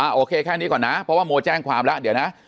โอเคแค่นี้ก่อนนะเพราะว่าโมแจ้งความแล้วเดี๋ยวนะ